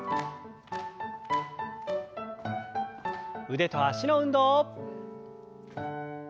腕と脚の運動。